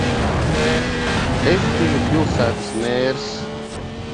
Es biju pilsētas mērs.